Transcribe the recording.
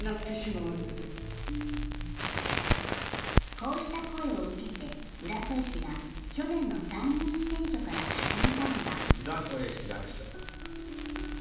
こうした声を受けて浦添市が去年の参議院選挙から始めたのが。